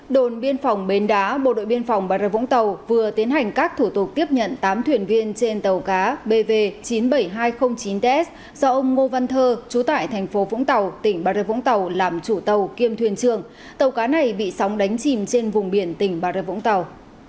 đồn biên phòng bến đá bộ đội biên phòng bà rê vũng tàu vừa tiến hành các thủ tục tiếp nhận tám thuyền viên trên tàu cá bv chín mươi bảy nghìn hai trăm linh chín ts do ông ngô văn thơ chú tại thành phố vũng tàu tỉnh bà rê vũng tàu làm chủ tàu kiêm thuyền trường tàu cá này bị sóng đánh chìm trên vùng biển tỉnh bà rê vũng tàu